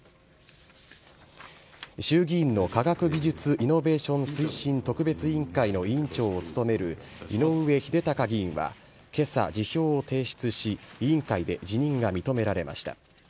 衆議院の科学技術・イノベーション推進特別委員会の委員長を務める井上英孝議員はけさ、辞表を提出し、委員会で辞任が認められました。